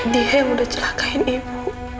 dia yang udah celakain ibu